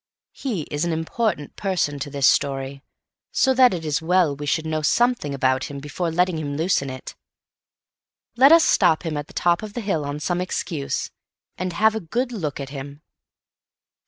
He is an important person to this story, so that it is as well we should know something about him before letting him loose in it. Let us stop him at the top of the hill on some excuse, and have a good look at him.